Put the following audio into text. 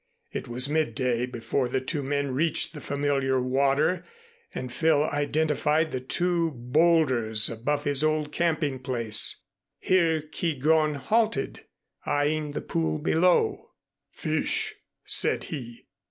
It was midday before the two men reached the familiar water and Phil identified the two bowlders above his old camping place. Here Keegón halted, eying the pool below. "Fish," said he.